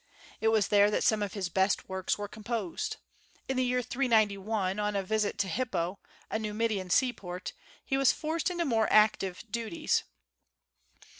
It was there that some of his best works were composed. In the year 391, on a visit to Hippo, a Numidian seaport, he was forced into more active duties.